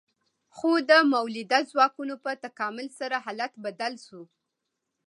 خو د مؤلده ځواکونو په تکامل سره حالت بدل شو.